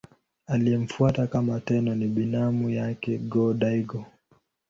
Aliyemfuata kama Tenno ni binamu yake Go-Daigo.